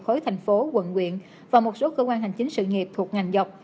khối thành phố quận quyện và một số cơ quan hành chính sự nghiệp thuộc ngành dọc